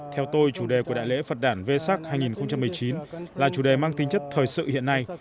theo tôi chủ đề của đại lễ phật đàn vê sắc hai nghìn một mươi chín là chủ đề mang tính chất thời sự hiện nay